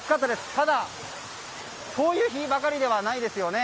ただそういう日ばかりではないですよね。